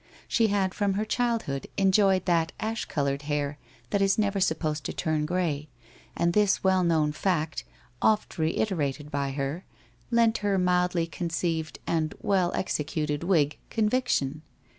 She had from her childhood enjoyed that ash coloured hair that is never supposed to turn grey, and this well known fact, oft reiterated by her, lent her mildly conceived and well executed wig convic tion.